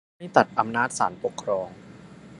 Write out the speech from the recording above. ไม่ตัดอำนาจศาลปกครอง